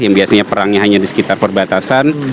yang biasanya perangnya hanya di sekitar perbatasan